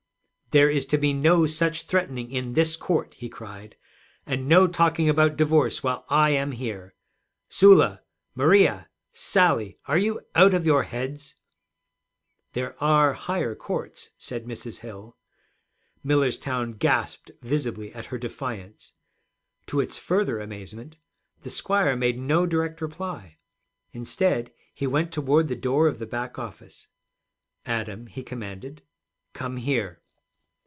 'There is to be no such threatening in this court,' he cried; 'and no talking about divorce while I am here. Sula! Maria! Sally! Are you out of your heads?' 'There are higher courts,' said Mrs. Hill. Millerstown gasped visibly at her defiance. To its further amazement, the squire made no direct reply. Instead he went toward the door of the back office. 'Adam,' he commanded, 'come here.'